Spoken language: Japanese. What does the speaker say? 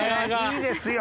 いいですよ！